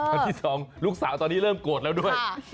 วันที่๒ลูกสาวตอนนี้เริ่มโกรธแล้วด้วย